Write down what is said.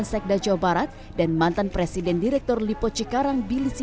bkc jawa barat yang diperkirakan seperti manis